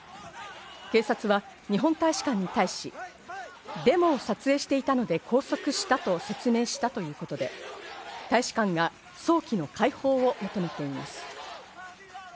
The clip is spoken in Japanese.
警察は日本大使館に対し、デモを撮影していたので拘束したと説明したということで、大使館が早期の解放を求めています。